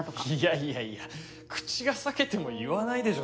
いやいや口が裂けても言わないでしょ